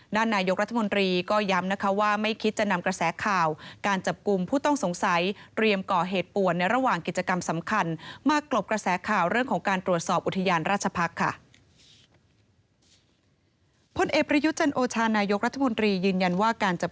นายกรัฐมนตรีก็ย้ำนะคะว่าไม่คิดจะนำกระแสข่าวการจับกลุ่มผู้ต้องสงสัยเตรียมก่อเหตุป่วนในระหว่างกิจกรรมสำคัญมากลบกระแสข่าวเรื่องของการตรวจสอบอุทยานราชพักษ์ค่ะ